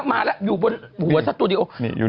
มาแล้วอยู่บนหัวสตูดิโอ